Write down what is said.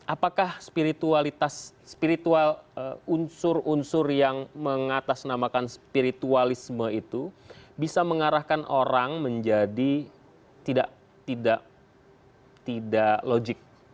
apakah spiritual unsur unsur yang mengatasnamakan spiritualisme itu bisa mengarahkan orang menjadi tidak logik